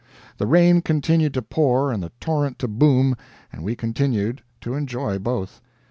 The rain continued to pour and the torrent to boom, and we continued to enjoy both.